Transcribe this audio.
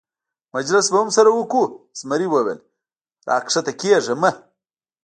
مجلس به هم سره وکړو، زمري وویل: را کښته کېږه مه.